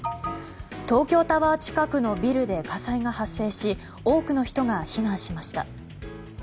東京タワー近くのビルで火災が発生し多くの人が避難しました。